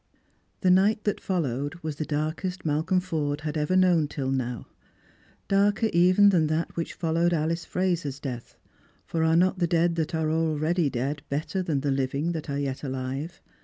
The night that followed was the darkest Malcolm Forde had ever known till now, darker even than that which followed Alice Eraser's death; for are not the dead that are already dead better than the living that are yet ahve